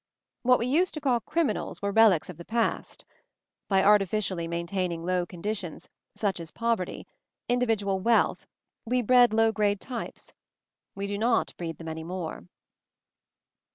What we used to call criminals were relics of the past. By artificially maintaining low conditions, such as poverty, individual wealth, we bred low grade types. We do not breed them any more."